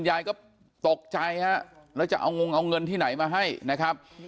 ยายก็ตกใจฮะแล้วจะเอางงเอาเงินที่ไหนมาให้นะครับ